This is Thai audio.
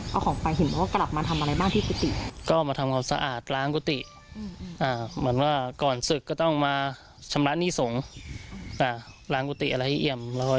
เอาของไปเห็นว่ากลับมาทำอะไรบ้างที่กุฏิ